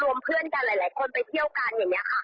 เพื่อนกันหลายคนไปเที่ยวกันอย่างนี้ค่ะ